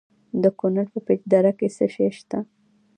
د کونړ په پيچ دره کې څه شی شته؟